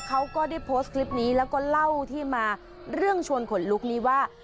เขาก็ได้โพสต์คลิปนี้แล้วก็เล่าที่มาเรื่องชวนขนลุกนี้ว่า